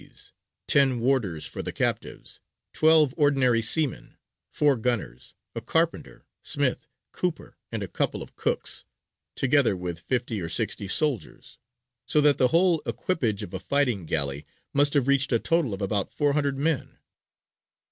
B's., ten warders for the captives, twelve ordinary seamen, four gunners, a carpenter, smith, cooper, and a couple of cooks, together with fifty or sixty soldiers; so that the whole equipage of a fighting galley must have reached a total of about four hundred men.